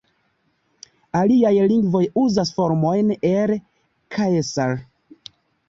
Aliaj lingvoj uzas formojn el "caesar".